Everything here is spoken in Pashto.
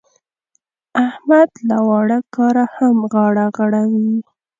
احمد له واړه کاره هم غاړه غړوي.